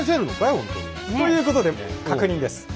ほんとに。ということで確認です。